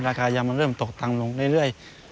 ราคายางมันเริ่มตกต่ำลงเรื่อย